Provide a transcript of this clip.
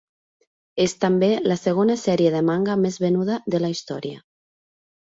És també la segona sèrie de manga més venuda de la història.